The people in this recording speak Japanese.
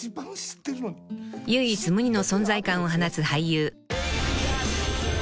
［唯一無二の存在感を放つ俳優］